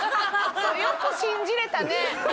よく信じられたね。